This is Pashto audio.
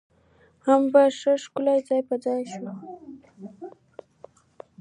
هم په ښه شکل ځاى په ځاى شوې